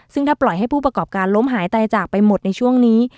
ซึ่งถ้าปล่อยให้ผู้ประกอบการล้มหายตายจากไปหมดในช่วงนี้